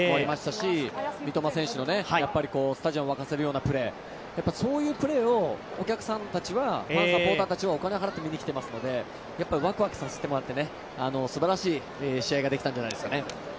し三笘選手のスタジアムを沸かせるようなプレー、そういうプレーをお客さんたちは、サポーターたちはお金を払って、見に来てますのでワクワクさせてもらってすばらしい試合ができたんじゃないでしょうかね。